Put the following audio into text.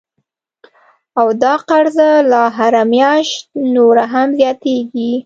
او دا قرضه لا هره میاشت نوره هم زیاتیږي